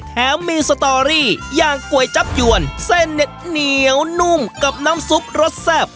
แถมมีสตอรี่อย่างก๋วยจับยวนเส้นเนี่ยเหนียวนุ่มกับน้ำซุปรสแซ่บ